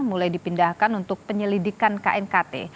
mulai dipindahkan untuk penyelidikan knkt